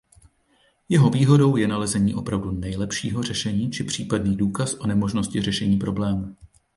Jeho výhodou je nalezení opravdu nejlepšího řešení či případný důkaz o nemožnosti řešení problému.